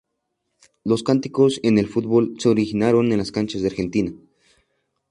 Los cánticos en el fútbol se originaron en las canchas de Argentina.